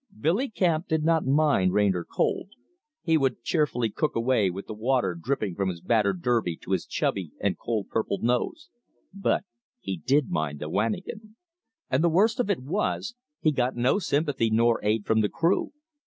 Billy Camp did not mind rain or cold he would cheerfully cook away with the water dripping from his battered derby to his chubby and cold purpled nose but he did mind the wanigan. And the worst of it was, he got no sympathy nor aid from the crew.